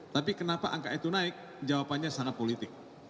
tapi kenapa angka itu naik jawabannya sangat politik